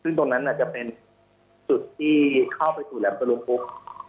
ซึ่งตรงนั้นจะเป็นจุดที่เข้าไปสู่แหลมตะลุมพุก